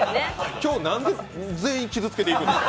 今日、なんで全員傷つけていくんですか。